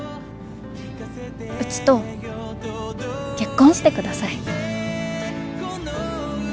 うちと結婚してください。